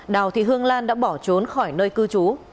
đào thị hương lan đã bỏ trốn khỏi nơi cư trú